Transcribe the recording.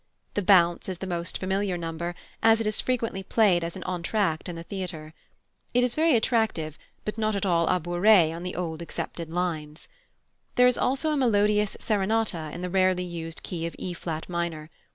The Bounce is the most familiar number, as it is frequently played as an entr'acte in the theatre. It is very attractive, but not at all a bourrée on the old accepted lines. There is also a melodious serenata in the rarely used key of E flat minor.